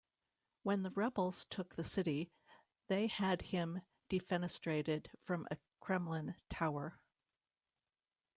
When the rebels took the city, they had him defenestrated from a kremlin tower.